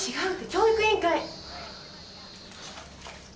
教育委員会。